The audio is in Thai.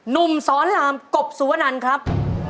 หนุ่มสอนรามกบสุวนันครับ